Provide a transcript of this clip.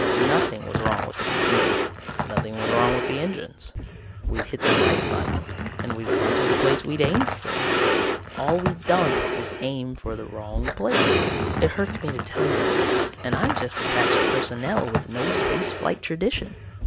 Nothing was wrong with the computer. Nothing was wrong with the engines. We'd hit the right button and we'd gone to the place we'd aimed for. All we'd done was aim for the wrong place. It hurts me to tell you this and I'm just attached personnel with no space flight tradition.